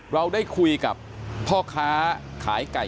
เราได้คุยกับพ่อค้าขายไก่